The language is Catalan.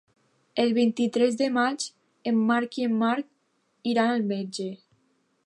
El vint-i-tres de maig en Marc i en Marc iran al metge.